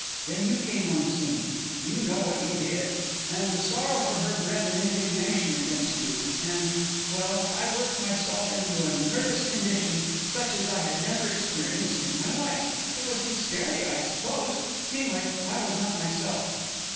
Then you came on the scene, you know what you did, and the sorrow for her bred an indignation against you, and well, I worked myself into a nervous condition such as I had never experienced in my life. It was hysteria, I suppose. Anyway, I was not myself."